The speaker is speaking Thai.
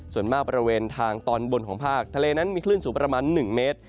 ส่วนมากบริเวณทางตอนบนของภาคทะเลนั้นมีคลื่นสูงประมาณ๑เมตร